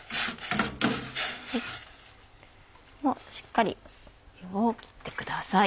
しっかり湯を切ってください。